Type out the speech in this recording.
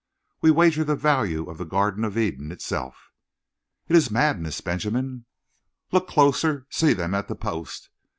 We wager the value of the Garden of Eden itself!" "It is madness, Benjamin!" "Look closer! See them at the post.